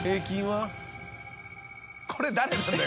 これ誰なんだよ？